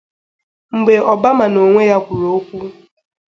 Mgbe Obama n’onwe ya kwuru okwu